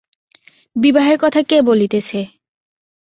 বিবাহের কথা কে বলিতেছে?